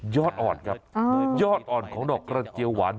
อ่อนครับยอดอ่อนของดอกกระเจียวหวาน